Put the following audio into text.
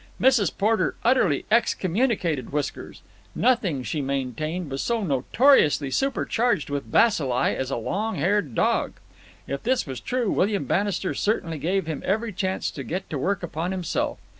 Mrs. Porter utterly excommunicated Whiskers. Nothing, she maintained, was so notoriously supercharged with bacilli as a long haired dog. If this was true, William Bannister certainly gave them every chance to get to work upon himself.